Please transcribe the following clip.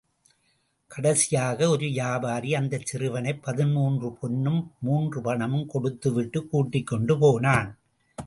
கடைசியாக ஒரு வியாபாரி அந்தச் சிறுவனைப் பதின்மூன்று பொன்னும் மூன்று பணமும் கொடுத்துவிட்டுக் கூட்டிக் கொண்டு போனான்.